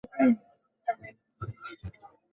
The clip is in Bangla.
অবিবাহিত মেয়েকে কী করে বিদেশে পাঠাতে পারি?